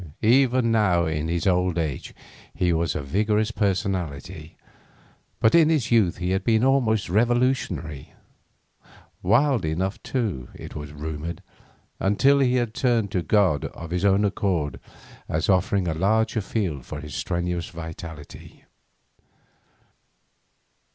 Even now in his old age he was a vigorous personality, but in his youth he had been almost revolutionary; wild enough, too, it was rumoured, until he had turned to God of his own accord as offering a larger field for his strenuous vitality.